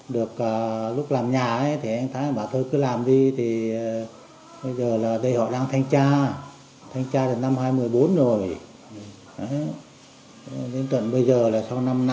đến tuần bây giờ là sau năm năm mà cũng